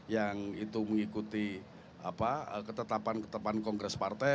yang itu mengikuti ketetapan ketetapan kongres partai